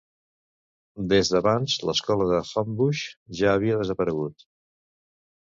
Des d'abans, l'escola de Homebush ja havia desaparegut.